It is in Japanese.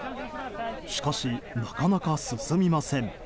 しかし、なかなか進みません。